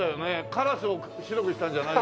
カラスを白くしたんじゃないよね。